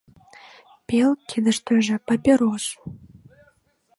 Пел кидыштыже - папирос